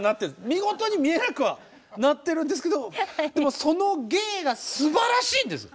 見事に見えなくはなってるんですけどでもその芸がすばらしいんです。